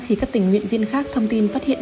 thì các tình nguyện viên khác thông tin phát hiện